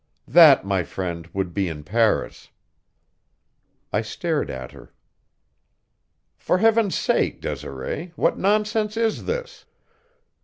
That, my friend, would be in Paris." I stared at her. "For Heaven's sake, Desiree, what nonsense is this?"